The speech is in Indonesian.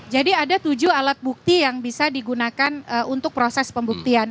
jadi ada tujuh alat bukti yang bisa digunakan untuk proses pembuktian